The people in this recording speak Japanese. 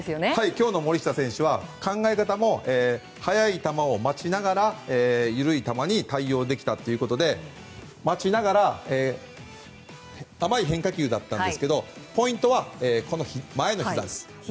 今日の森下選手は考え方も速い球を待ちながら、緩い球に対応できたということで待ちながら甘い変化球だったんですけどポイントは前のひざです。